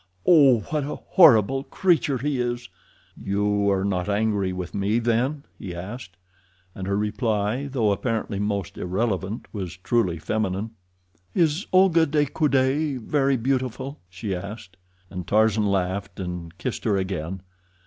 "Oh, what a horrible creature he is!" "You are not angry with me, then?" he asked. And her reply, though apparently most irrelevant, was truly feminine. "Is Olga de Coude very beautiful?" she asked. And Tarzan laughed and kissed her again.